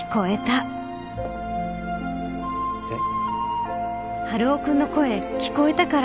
えっ？